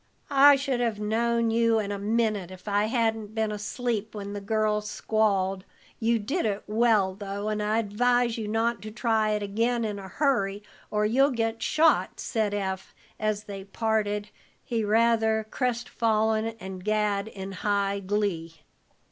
"I should have known you in a minute if I hadn't been asleep when the girls squalled. You did it well, though, and I advise you not to try it again in a hurry, or you'll get shot," said Eph, as they parted, he rather crestfallen and Gad in high glee.